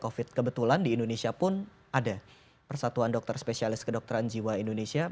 covid kebetulan di indonesia pun ada persatuan dokter spesialis kedokteran jiwa indonesia